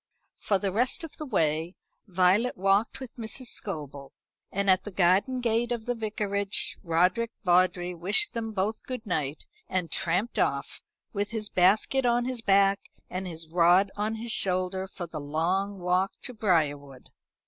For the rest of the way Violet walked with Mrs. Scobel, and at the garden gate of the Vicarage Roderick Vawdrey wished them both good night, and tramped off, with his basket on his back and his rod on his shoulder, for the long walk to Briarwood.